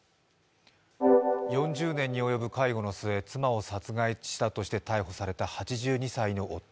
４０年に及ぶ介護の末に妻を殺害したとして逮捕された８２歳の夫。